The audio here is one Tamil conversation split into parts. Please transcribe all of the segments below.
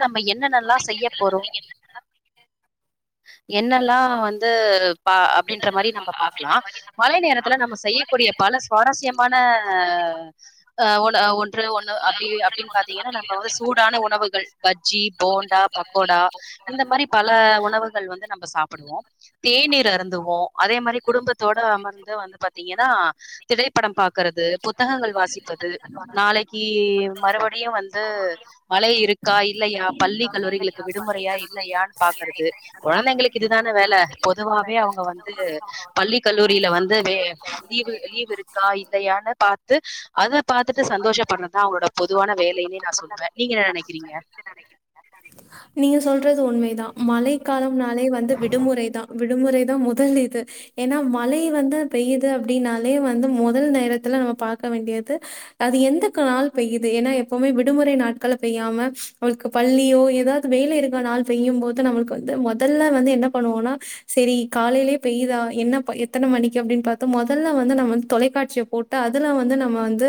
நம்ம என்னனெல்லா செய்ய போறோ என்னல்லா வந்து பா அப்டின்ற மாரி நம்ம பாக்கலா மழை நேரத்துல நம்ம செய்யக்கூடிய பல சுவாரஸ்யமான அ ஒ ஒன்று ஒண்ணு அப்டி அப்டின்னு பாத்தீங்கன்னா நம்ம வந்து சூடான உணவுகள் பஜ்ஜி போண்டா பக்கோடா இந்த மாதிரி பல உணவுகள் வந்து நம்ம சாப்பிடுவோ தேநீர் அருந்துவோ அதே மாரி குடும்பத்தோட அமர்ந்து வந்து பாத்தீங்கன்னா திரைப்படம் பாக்குறது போ புத்தகங்கள் வாசிப்பது நாளைக்கு மறுபடியு வந்து மழை இருக் க்கா இல்லையா பள்ளி கல்லூரிகளுக்கு விடுமுறையா இல்லையான்னு பாக்கறது கொழந்தைங்களுக்கு இதுதான வேலை பொதுவாவே அவங்க வந்து பள்ளி கல்லூரில வந்து வே லீவ லீவ் இருக்கா இல்லையானு பாத்து அத பாத்துட்டு சந்தோஷ படுறதுதா அவங்ளோட பொதுவான வேலைன்னே நா சொல்வே நீங்க என்ன நெனைக்கிறீங்க நீங்க சொல்றது உண்மைதா மழை காலம்னாலே வந்து விடுமுறை தா விடுமுறை தா முதல் இது ஏனா மழை வந்து பெய்து அப்டின்னாலே வந்து முதல் நேரத்துல நம்ம பாக்க வேண்டியது அது எந்த நாள் பெய்யுது ஏனா எப்பவுமே விடுமுறை நாட்கள்ல பெய்யாம நம்ளுக்கு பள்ளியோ ஏதாவது வேலை இருக்கிற நாள் செய்யு போது நம்ளுக்கு வந்து முதல்ல வந்து என்ன பண்ணுவோனா சேரி காலைலே பெய்யுதா என்ன பா எத்தன மணிக்கு அப்டின்னு பாத்து முதல்ல வந்து நம்ம வந்து தொலைக்காட்சிய போட்டு அதுல வந்து நம்ம வந்து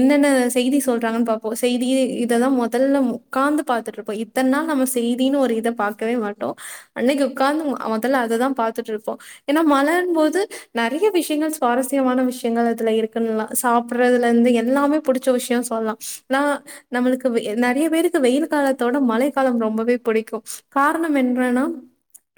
என்னென்ன செய்தி சொல்றாங்கனு பாப்போ செய்தி இததா முதல்ல உக்காந்து பாத்துட்டு இருப்போ இத்தன் நாள் நம்ம செய்தின்னு ஒரு இத பாக்கவே மாட்டோ அன்னைக்கு உக்காந்து முதல்ல அததா பாத்துட் இருப்போ ஏனா மழ போது நெறைய விஷயங்கள் சுவாரஸ்யமான விஷயங்கள் அதுல இருக்குன்ல்லா சாப்பிடுறதுல இருந்து எல்லாமே புடிச்ச விஷயம் சொல்லா நா நமளுக்கு நெறைய பேரு வெயில் காலத்தோட மழை காலம் ரொம்பவே புடிக்கு காரணம் எனன்னா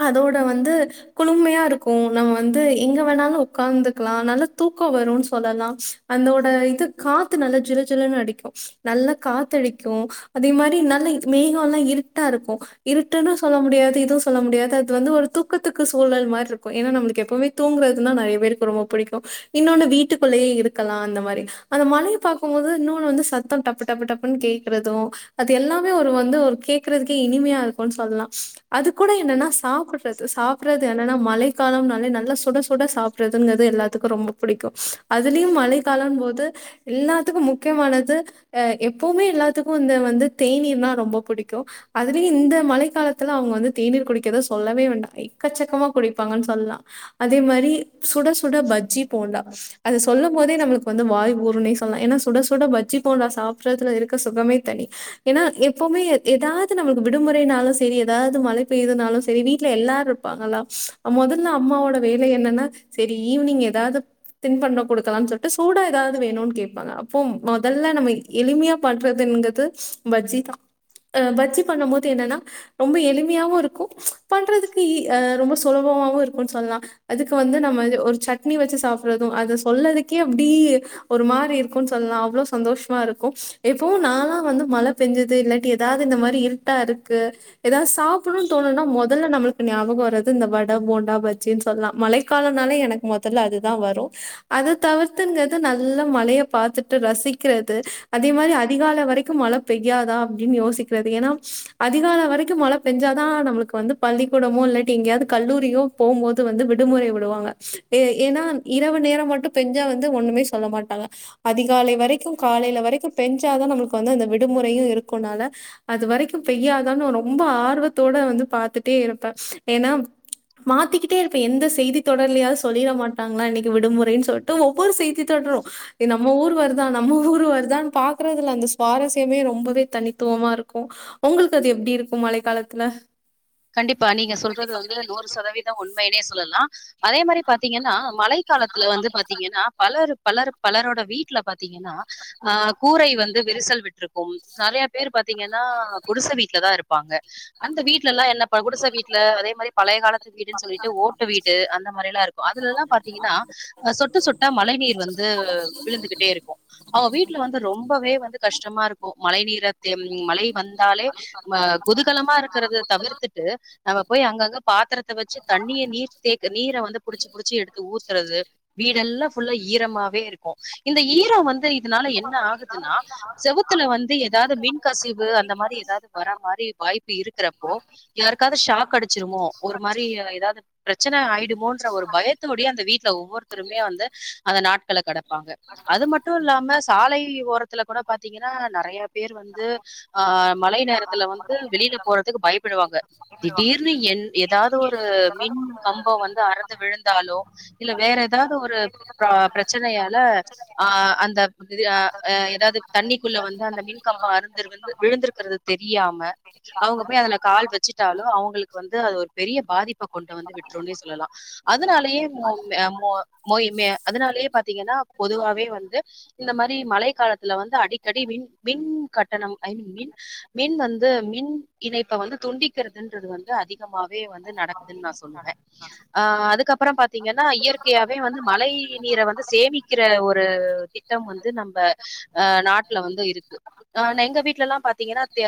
அதோட வந்து குழுமையா இருக்கு நம்ம வந்து எங்க வேணாலு உ்க்காந்துக்கலா நல்லா தூக்க வருனு சொல்லலா அந்தோட இது காத்து நல்லா ஜில் ஜில்ன்னு அடிக்கு நல்லா காத்தடிக்கு அதே மாரி நல்ல மேகல்லா இருட்டா இருக்கு இருட்டுன்னு சொல்ல முடியாது எதுவு சொல்ல முடியாது அது வந்து ஒரு தூக்க தூக்கத்துக்கு சூழல் மாரி இருக்கு ஏனா நம்ளுக்கு எப்பவுமே தூங்குறதுனா நறைய பேருக்கு ரொம்ப புடிக்கு இன்னொன்னு வீட்டுக்குள்ளேயே இருக்கலா அந்த மாரி அந்த மழையை பாக்கும்போது இன்னொன்னு வந்து ச த்தம் டப்பு டப்பு டப்புன்னு கே்கறது அது எல்லாமே ஒரு வந்து ஒரு கேக்குறதுக்கே இனிமையா இருக்குனு சொல்லலா அது கூட என்னன்னா சாப்புடுறது சாப்படுறது என்னன்னா மழைக்காலம்னாலே நல்லா சுட சு ட சாப்றதுங்கறது எல்லாத்துக்கு ரொம்ப புடிக்கு அதுலயு மழை காலம் போது எல்லாத்துக்கு முக்கியமானது அ எப்போமே எல்லாத்துக்கு இந்த வந்து தேநீர்னா ரொம்ப புடிக்கு அதுலயு இந்த மழை காலத்துல அவங்க வந்து தேநீர் குடிக்கத சொல்லவே வேண்டா எக்கசக்கமா குடிப்பாங்கனு சொல்லலா அதே மாரி சுட சுட பஜ்ஜி போண்டா அது சொல்லும் போதே நம்மளுக்கு வந்து வாய் ஊரின் சொல் லலா ஏனா சுட சுட பஜ்ஜி போண்டா சாப்பிடுறதுல இருக்க சுகமே தனி ஏனா எப்போமே எதாவது நம்ளுக்கு விடுமுறைனாலுசரி ஏதாவது மழ பெயுதுனாலு சரி வீட்ல எல்லாரு ப்பாங்களா முதல்ல அம்மாவோட வேலை என்னன்னா சேரி ஈவினிங் ஏதாவ்து தின் பண்ணோ குடுக்கலானு சொல்ட்டு சூடா ஏதாவ்து வேணுனு கேப்பாங்க அப்போ முதல்ல நம்ம எளிமையா பண்றதுங்கது பஜ்ஜி தா அ பஜ்ஜி பண்ணு போது என்னன்னா ரொம்ப எளிமையாவு இருக்கு பண்றதுக்கு அ ரொம்ப சுலபமாவு இருக்குனு சொல்லலா அதுக்கு வந்து நம்ம ஒரு சட்னி வச்சு சாப்றது அத சொல்லதுக்கே அப்டி ஒரு மாரி இருக்குனு சொல்லா அவ்ளோ சந்தோஷமாருக்கு எப்பவு நாலா வந்து மழ பெஞ்சது இல்லாட்டி ஏதாவது இந்த மாரி இருட்டா இருக்கு ஏதாவது சாப்படுணுனு தோணுனா முதல்ல நம்ளுக்கு ஞாபகம் வரது இந்த வடை போண்டா பஜ்ஜினு சொல்லா மழைக்காலனாலே எனக்கு மொதல்ல அதுதா வரு அத தவித்துங்கது நல்ல மழைய பாத்துட்டு ரசிக்கிறது அதே மாரி அதிகால வரைக்கு மழ பெய்யாதா அப்டின்னு யோசிக்கிறது ஏனா அதிகால வரைக்கு மழ பெஞ்சாதா நம்ளுக்கு வந்து பள்ளிக்கூடமோ இல்லாட்டி எங்கேயாது கல்லூரியோ போம்போது வந்து விடுமுறை விடுவாங்க ஏனா இரவு நேரம் மட்டும் பெஞ்சா வந்து ஒண்ணுமே சொல்ல மாட்டாங் அதிகாலை வரைக்கு காலைல வரைக்கு பெஞ்சாதா நம்ளுக்கு வந்து அந்த விடுமுறையு இருக்கும்னால அது வரைக்கு பெய்யாதா ரொம்ப ஆர்வத்தோட வந்து பாத்துட்டே இருப்ப ஏனா மாத்திக்கிட்டே இருப்ப எந்த செய்தி தொடர்லயாது சொல்லிர மாட்டாங்களா இன்னக்கி விடுமுறைன் சொல்ட்டு ஒவ்வொரு செய்தி த்தி தொடரு நம்ம ஊர் வருதா நம்ம ஊர் வருதான் பாக்றதுல அந்த சுவாரஸ் எப்பவுமே ரொம்பவே தனித்துவமா இருக்கு உங்ளுக்கு அது எப்டி இருக்கு மழை காலத்துல கண்டிப்பா நீங்க சொல்றது வந்து நூறு சதவீதம் உண்மைனே சொல்லலா அதே மாரி பாத்தீங்கன்னா மலைப் க் காலத்துல வந்து பாத்தீங்கனா பலரு பலர் பலரோட வீடல பாத்தீங்கனா ஆ கூரை வந்து விரிசல் விட்ருக்கும் நறைய பேர் பாத்தீங்கனா குடிச வீட்ல தா இருப்பாங்க அந்த வீட் வீட்டலா என்ன குடிச வீட்ல அதே மாரி பழைய காலத் மத்தி வீடுன் சொல்லிட்டு ஓட்டு வீடு அந்த மாரில்லா இருக்கு அதுல எல்லா பாத்தீங்கனா ஆ சொட்டு சொட்டா மழை நீர் வந்து விழுந்துகிட்டே இருக்கு அவ வீட்ல வந்து ரொம்பவே வந்து கஷ்டமா இருக்கு மழை நீர தேம் மழை வந்தாலே ஆ குதூகலமா இருக்கரத தவிர்த்துட்டு அவ போய் அங்கங்க பாத்தரத்த வச்சி தண்ணிய நீர் தேக் நீர வந்து புடிச்சி புடிச்சி எடுத்து ஊத்துதறது வீடெல்லா ஃபுல்லா ஈரமாவே இருக்கு இந்த ஈரம் வந்து இதுனால என்ன ஆகுதுன்னா செவுத்துல வந்து ஏதாவது மின் கசிவு அந்த மாரி ஏதாவது வர மாரி வாய்ப்பு இருக்கறப் போ யாருக்காது ஷாக் அடிச்சிருமோ ஒரு மாரி ஏதாது பிரச்சன ஆயிடுமோன்ற ஒரு பயத்தோடயே அந்த வீட்ல ஒவ்வொருத்தருமே வந்து அந்த நாட்கள கடப்பாங்க அது மட்டு இல்லாம சாலை ஓரத்துல கூட பாத்தீங்கனா நறையப் பேர் வந்து ஆ மழை நேரத்துல வந்து வெளியில போறத் பயப்பிடுவாங்க திடீர்ன் என் ஏதாது ஒரு மின் கம்பம் வந்து அறந்து விழுந்தாலோ இல்ல வேற எதாவது ஒரு பிரச்சனையால ஆ அந்த ப்தி அஏதாவது தண்ணிக்குள்ள வந்து அந்த மின் கம்பம் அருந்து வந் விழுந்திருக்கறது தெரியாம அவங்கப் அதுல கால் வச்சுட்டாலு அவுங்களுக்கு வந்து அது ஒரு பெரிய பாதிப்ப கொண்டு வந்து விட் துருனே சொல்லலா அதுனாலயே மே மோ மோய் மே அதுனாலே பாத்தீங்கனா பொதுவாவே வந்து இந்த மாரி மழை காலத்துல வந்து அடிக்கடி மின் மின் கட்டணம் ஐ மின் மின் வந்து மின் இத இப்ப வந்து துண்டிக்கறதுன்றது வந்து அதிகமாவே வந்து நடக்குதுன் நா சொல்வ ஆ அதுக்கப்புற பாத்தீங்கனா இயற்கையாவே வந்து மழை நீர வந்து சேமிக்கிற ஒரு திட்டம் வந்து நம்ம அ நாட்ல வந்து இருக்கு ஆ ன எங்க வீட்டெல்லா பாத்தீங்கனா தே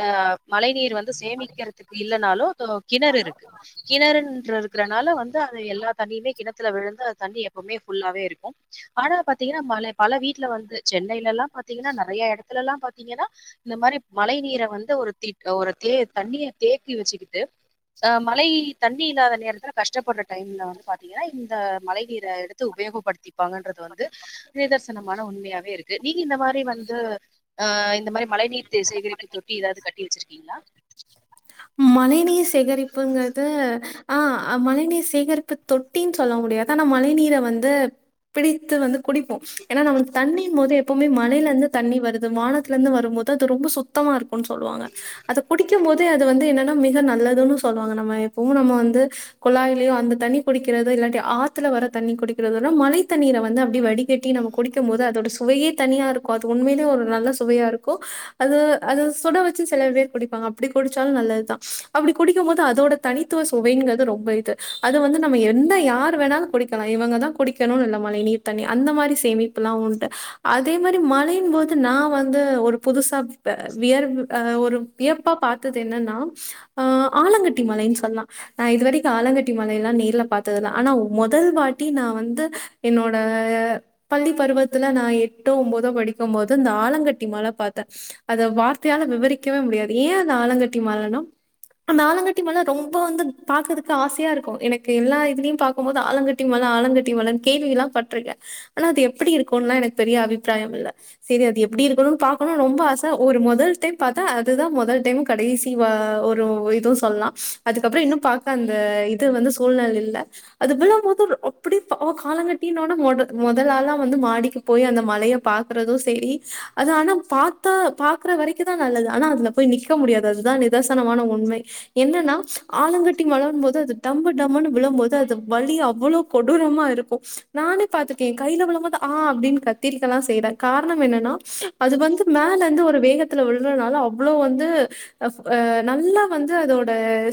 மழை நீர் வந் சேமிக்கறதுக்கு இல்லனாலு து கிணறு இருக்கு கிணறுன்றருக்குறனால வந்து அது எல்லா தண்ணியுமே கிணத்துல விழுந்து அது தண்ணி எப்பவுமே ஃபுல்லாவே இருக்கும் ஆனா பாத்தீங்கனா மழ பல வீட்ல வந்து சென்னைலல்லா பாத்தீங்கனா நறைய எடத்துலல்லா பாத்தீங்கனா இந்த மாரி மழை நீர வந்து ஒரு தே ஒரு தே தண்ணிய தேக்கி வச்சிக்கிட்டு மழை தண்ணி இல்லாத நேரத்துல கஷ்டப்பட்ற டைம்ல வந்து பாத்தீங்கனா இந்த மழை நீர எடுத் துஉபயோகப்படுத்திப்பாங்கன்றது வந்து நிதர்சனமான உண்மையாவே இருக்கு நீங்க இந்த மாரி வந்து ஆ இந்த மாரி மழை நீர் சேகரிப்பு தொட்டி ஏதாவது கட்டி வச்சிருக்கீங்களா மழை நீர் சேகரிப்புங்றது ஆ மழை நீர் சேகரிப்பு தொட்டின் சொல்ல முடியாது ஆனா மழை நீர வந்து பிடித்து வந்து குடிப்போம் ஏனா நம்ளுக்கு தண்ணின் போது எப்போவுமே மழையில இருந்து தண்ணி வருது மானத் த்துல இருந்து வரும்போது அது ரொம்ப சுத்தமா இருக்குன் சொல்லுவாங்க அத குடிக்கு போது இத வந்து என்னன்னா மிக நல்லதுனு சொல்லுவாங்க நம்ம எப்பவு நம்ம வந்து குழாயிலயு அந்த தண்ணி குடிக்கிறது இல்லாட்டி ஆத்துல வர தண்ணி குடிக்கிறது விட மழை தண்ணீர வந்து அப்டியே வடிக் கட்டி நம்ம குடிக்கு மோது அதோட சுவையே தனியா இருக்கு அது உண்மையிலே ஒரு நல்ல சுவையா இருக்கு அது அது சுட வெச்சு சில பேர் குடிப்பாங்க அப்டி குடிச் சாலு நல்லதுதா அப்டி குடிக்கு மோது அதோட தனித்துவ சுவைங்கிறது ரொம்ப இது அது வந்து நம்ம எந்த யா ரு வேணாலு குடிக்கலா இவங்கதா குடிக்கணுனில்ல மழை நீர் தண்ணி அந்த மாரி சேமிப்புல்லா உண்டு அதே மாரி மழையின் போது நா வந்து ஒரு புதுசா வியர்வு அ ஒரு வியப்பா பாத் தது என்னன்னா அ ஆலங்கட்டி மழைன் சொல்லா நா இதுவரைக்கு ஆலங்கட்டி மழையெல்லா நேர்ல பாத்ததுல ஆனா முதல் வாட்டி நா வந்து என்னோட பள்ளி பருவத்துல நா எட்டோ உம்போதோ படிக்கும்போது இந்த ஆலங்கட்டி மழ பாத்த அத வார்த்தையால விவரிக்கவே முடியாது ஏ ரா ஆலங்கட்டி மழன்னா அந்த ஆலங்கட்டி மழ ரொம்ப வந்து பாக்கறதுக்கு ஆசையா இருக்கு எனக்கு எல்லா இதுலியு பாக்கும் போது ஆலங்கட்டி மழ ஆலங்கட்டி மழன் கேள்விலா பட்ருக்க ஆனா அது எப்படி இருக்குன்லா எனக்கு பெரிய அபிப்ராயம் இல்ல செரி அது எப்டி இருக்கணுன் பாக்கணுன் ரொம்ப ஆச ஒரு முதல் டைம் பாத்தா அதுதா முதல் டைமு கடைசி வ ஒரு இதுவு சொல்லா அதுக்கப்புறோ இன்னு பாக்க அந்த இது வந்து சூழ்ல் இல்ல அதுவிழும்போது ர அப்படி பா ஆலங்கட்டினோன முட முதல் ஆளா வந்து மாடிக்கு போய் அந்த மழய பாக்கறது செரி அது ஆனா பாத்த பாக்குற வரைக்குதா நல்லது ஆனா அதுல போய் நிக் க முடியாது அதுதா நிதர்சனமான உண்மை என்னன்னா ஆலங்கட்டி மழன் போது அது டம்மு டம்முன்னு விழும்போது அது வலி அவ்வளோ கொடூரமா இருக்கு நானே பாத்துருக்கே எ கையில விழும்போது ஆ அப்டின் கத்திருக்கலா செய்வே காரணம் என்னன்னா அது வந்து மேலெந்து ஒரு வேகத்துல விழறனால அவ்வளோ வந்து அஃப் ஆ நல்லா வந்து அதோட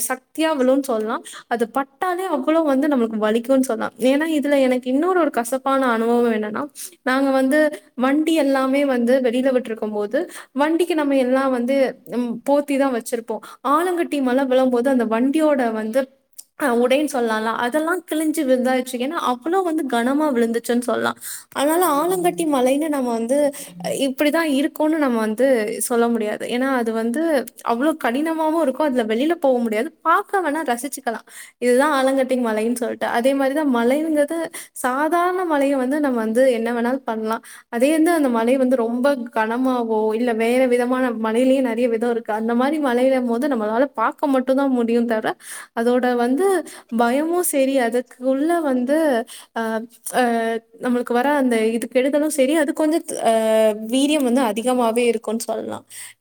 சக்தியா விழுன் சொல்லா அது பட்டாலே அவ்வளோ வந்து நமக்கு வலிக்குன் சொல்லா ஏனா இதுல எனக்கு இன்னொரு ஒரு கசப்பான அனுபவோ என்னன்னா நாங்க வந்து வண்டி எல்லாமே வந்து வெளியில விட்ருக்கும்போது வண்டிக்கு நம்ம எல்லா வந்து ம் போத்திதா வெச்சிருப்போ ஆலங்கட்டி மழ விழும்போது அந்த வண்டியோட வந்து ஆ உடைன் சொல்லால்ல அதெல்லா கிழிஞ்சி விழுந்தாய்ச்சு ஏனா அவ்வளோ வந்து கனமா விழுந்துச்சுன் சொல்லா அதனால ஆலங்கட்டி மழைன்னு நம்ம வந்து இப்படிதா இருக்குன்னு நம்ம வந்து சொல்ல முடியாது ஏனா அது வந்து அவ்வளோ கடினமாவு இருக்கு அதுல வெளில போவ முடியாது பாக்க வேணா ரசிச்சிக்கலா இதுதா ஆலங்கட்டி மழைன் சொல்ட்டு அதே மாரிதா மழைங்கது சாதாரண மழைய வந்து நம்ம வந் து என்ன வேணால் பண்லா அதே வந்து அந்த மழை வந்து ரொம்ப கனமாவோ இல்ல வேற விதமான மழையில நெறய விதோ இரு அந்த மாரி மழையில போது நம்மளால பாக்க மட்டுதா முடியு தவிர அதோட வந்து பயமு செரி அதுக்குள்ள வந்து ஆ ஆ நம்மளுக்கு வர அந்த இது கெடுதலு செரி அது கொஞ்சா அ வீரியம் வந்து அதிகமாவே இருக்குன் சொல்லா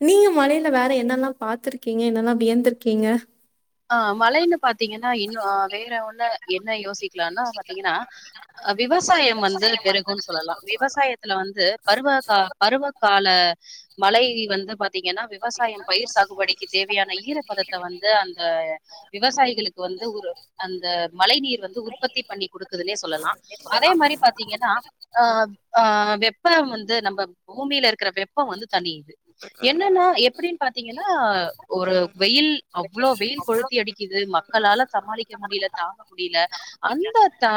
நீங்க மழைல வேற என்னெல்லா பாத்துருக்கீங்க என்னெல்லா வியந்திருக்கீங்க ஆ மழன்னு பாத்தீங்கன்னா இன்னு அ வேற ஒண்ணு என்ன யோசிக்லானா பாத்தீங்கனா அ விவசாயம் வந்து பெருகுன் சொல்லலா விவசாயத்துல வந்து பருவ கா பருவ கால மழை வந்து பாத் தீங்கன்னா விவசாயம் பயிர் சாகுபடிக்கு தேவையான ஈரப்பதத்த வந்து அந்த விவசாயிகளுக் இப்ப வந்து ஒரு அந்த மழை நீர் வந்து உற்பத்தி பண்ணி குடுக்குதுன்னே சொல்லலா அதே மாரி பாத் த்திங்கன்னா ஆ ஆ வெப்பம் வந்து நம்ப பூமில இருக்குற வெப்பொ வந்து தனியிது என்னன்னா எப்டின்னு பாத்திங்கன்னா ஒரு வெயில் அப் வெயில் கொழுத்தி அடிக்குது மக்களால சமாளிக்க முடியல தாக முடியல அந்த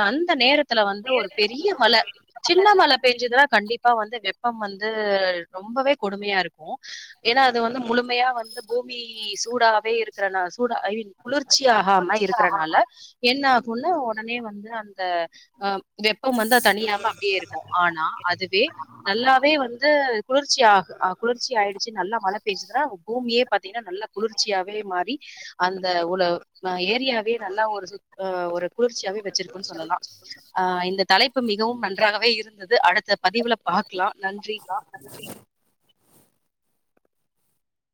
அந்த நேரத்துல வந்து ஒரு பெரிய மழ சின்ன மழ பேஞ்சுதுனா கண்டிப்பா வந்து வெப்பம் வந்து ரொம்பவே கொடுமையா இருக்கு ஏன்னா அது வந்து முழுமையா வந்து பூமி சூடாவே இருக்குற நா சூடா ஐ மீன் குளிர்ச்சி ஆகாம இருக்குறனால என்ன ஆகுன்னா ஒடனே வந்து அந்த அ வெப்பம் வந்து தனியாம அப்டியே இருக்கு ஆனா அதுவே நல்லாவே வந்து குளிர்ச்சி ஆ ஆ குளிர்ச்சி ஆயிடுச்சு நல்லா மழ பேஞ்சதுன்னா பூமியே பாத்திங்கன்னா நல்ல குளிர்ச்சியாவே மா ரி அந்த உல ஏரியாவே நல்லா ஒரு சுத் அ ஒரு குளுர்ச்சியாவே வச்சிருக்குன்னு சொல்லலா அ இந்த தலைப்பு மிகவும் நன்றாகவே இருந்தது அடுத்த பதிவுல பாக்கலா நன்றி